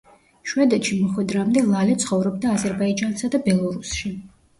შვედეთში მოხვედრამდე ლალე ცხოვრობდა აზერბაიჯანსა და ბელორუსში.